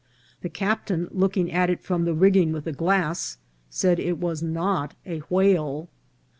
The captain, looking at it from the rigging with a glass, said it was not a whale.